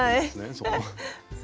そこは。